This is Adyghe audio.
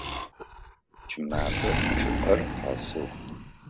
Кӏымэфэ чъыӏэр къэсыгъ.